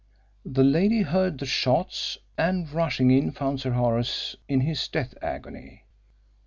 The lady heard the shots, and, rushing in, found Sir Horace in his death agony.